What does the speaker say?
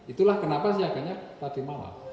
itulah kenapa siaganya tadi malam